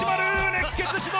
熱血指導！